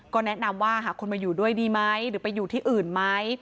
ก็แนะนำว่าหาคนมาอยู่ด้วยดีไหมหรือไปอยู่ที่อื่นไหม